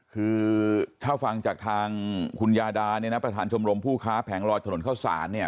คือถ้าฟังจากทางคุณยาดาเนี่ยนะประธานชมรมผู้ค้าแผงลอยถนนเข้าสารเนี่ย